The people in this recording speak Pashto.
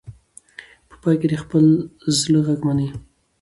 په پای کې د خپل زړه غږ مني.